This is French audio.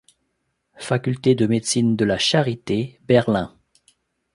Faculté de médecine de la Charité, Berlin.